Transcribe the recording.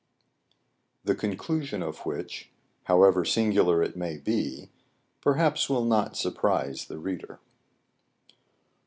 THE CONCLUSION OF WHICH, HOWEVER SINGULAR IT MAY BE, PERHAPS WILL NOT SURPRISE THE READER.